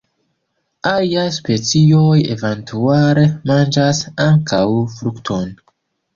Aliaj specioj eventuale manĝas ankaŭ frukton.